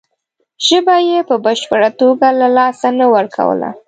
ژبه یې په بشپړه توګه له لاسه نه ورکوله.